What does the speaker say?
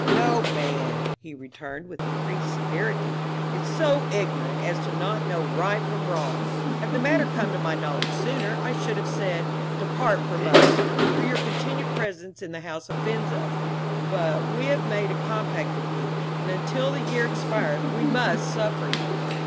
"No man," he returned, with increased severity, "is so ignorant as not to know right from wrong. Had the matter come to my knowledge sooner, I should have said: Depart from us, for your continued presence in the house offends us; but we have made a compact with you, and, until the year expires, we must suffer you.